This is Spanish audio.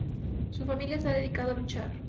Su familia se ha dedicado a luchar.